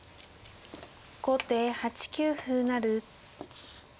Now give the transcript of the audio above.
後手８九歩成。